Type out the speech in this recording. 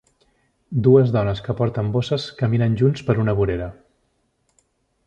Dues dones que porten bosses caminen junts per una vorera.